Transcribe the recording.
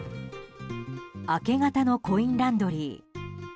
明け方のコインランドリー。